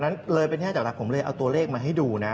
เนี้ยนะผมเลยเอาตัวเลขมาให้ดูนะ